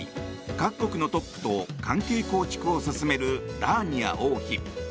各国のトップと関係構築を進めるラーニア王妃。